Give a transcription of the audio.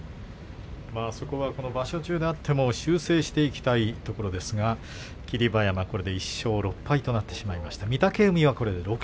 そこは場所中であっても修正していきたいところですが霧馬山これで１勝６敗となってしまいました。